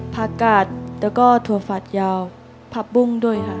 ผักกาดแล้วก็ถั่วฝัดยาวผักบุ้งด้วยค่ะ